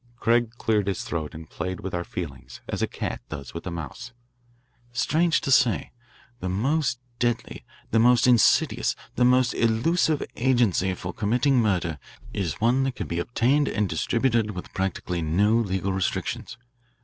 Craig cleared his throat and played with our feelings as a cat does with a mouse. "Strange to say, the most deadly, the most insidious, the most elusive agency for committing murder is one that can be obtained and distributed with practically no legal restrictions.